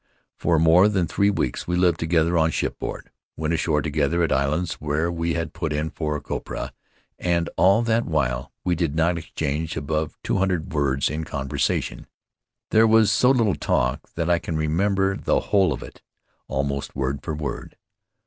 For more than three weeks we lived together on shipboard, went ashore together at islands where we had put in for copra, and all that while we did not exchange above two hundred words in conversa tion. There was so little talk that I can remember the whole of it, almost word for word.